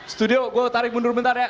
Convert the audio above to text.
studio gue tarik mundur bentar ya